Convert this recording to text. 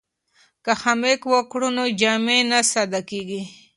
که خامک وکړو نو جامې نه ساده کیږي.